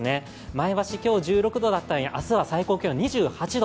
前橋、今日は１６度だったのに明日は最高気温２８度。